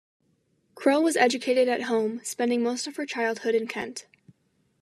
Crowe was educated at home, spending most her childhood in Kent.